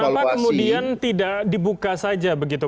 kenapa kemudian tidak dibuka saja begitu